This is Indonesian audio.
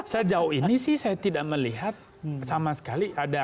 sejauh ini sih saya tidak melihat sama sekali ada